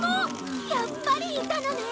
やっぱりいたのね！